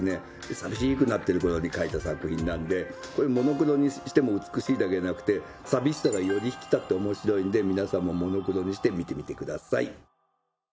寂しくなってる頃に描いた作品なんでこれモノクロにしても美しいだけじゃなくて寂しさがより引き立って面白いんで皆さんもモノクロにして見てみてください。